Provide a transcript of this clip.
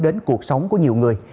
đến cuộc sống của nhiều người